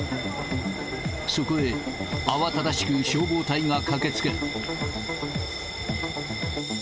そこへ、慌ただしく消防隊が駆けつける。